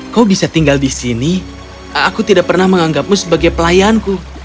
kau bisa tinggal di sini aku tidak pernah menganggapmu sebagai pelayanku